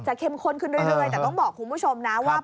เข้มข้นขึ้นเรื่อยแต่ต้องบอกคุณผู้ชมนะว่า